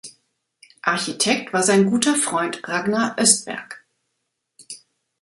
Architekt war sein guter Freund Ragnar Östberg.